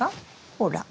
ほら。